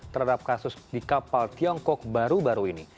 terhadap kasus di kapal tiongkok baru baru ini